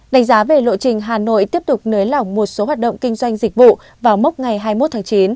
đánh giá về lộ trình hà nội tiếp tục nới lỏng một số hoạt động kinh doanh dịch vụ vào mốc ngày hai mươi một tháng chín